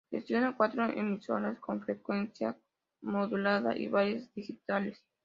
Gestiona cuatro emisoras en frecuencia modulada y varias digitales.